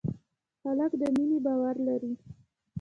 هلک د مینې باور لري.